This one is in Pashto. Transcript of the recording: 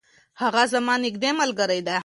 هغه زما نږدې ملګرې ده.